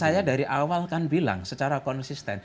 saya dari awal kan bilang secara konsisten